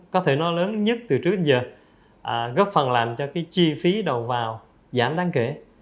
có thể nó lớn nhất từ trước đến giờ góp phần làm cho cái chi phí đầu vào giảm đáng kể